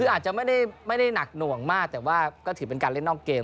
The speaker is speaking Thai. คืออาจจะไม่ได้หนักหน่วงมากแต่ว่าก็ถือเป็นการเล่นนอกเกม